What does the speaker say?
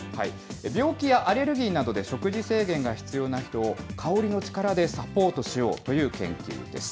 病気やアレルギーなどで食事制限が必要な人を、香りの力でサポートしようという研究です。